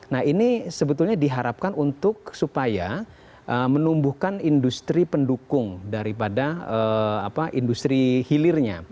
nah ini sebetulnya diharapkan untuk supaya menumbuhkan industri pendukung daripada industri hilirnya